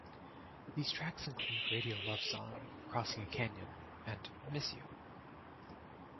These tracks include "Radio Luv Song", "Crossing a Canyon", and "Miss You".